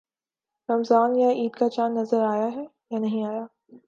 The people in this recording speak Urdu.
رمضان یا عید کا چاند نظر آیا ہے یا نہیں آیا؟